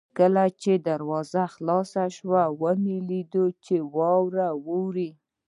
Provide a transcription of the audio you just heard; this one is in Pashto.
کله چې دروازه خلاصه شوه ومې لیدل چې واوره اورې.